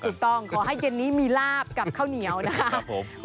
ขอให้เย็นนี้มีลาบกับข้าวเหนียวนะครับผม